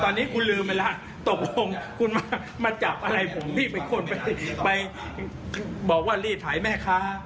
ตอนนี้คุณลืมไปแล้วตกลงคุณมาจับอะไรผมพี่เป็นคนไปบอกว่ารีดถ่ายแม่ค้า